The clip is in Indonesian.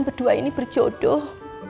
berdua ini berjodoh